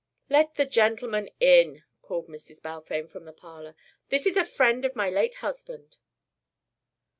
"Let the gentleman in," called Mrs. Balfame from the parlour. "This is a friend of my late husband."